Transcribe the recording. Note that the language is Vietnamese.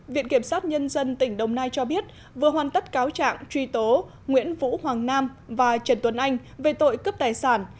viện kiểm sát nhân dân tỉnh đồng nai cho biết vừa hoàn tất cáo trạng truy tố nguyễn vũ hoàng nam và trần tuấn anh về tội cướp tài sản